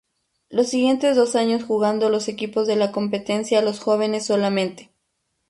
Los siguientes dos años jugando los equipos de la competencia los jóvenes solamente.